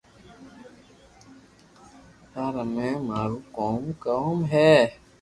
يار ھمي مارو ڪاو ڪوم ھي